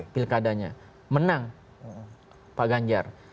pilkadanya menang pak ganjar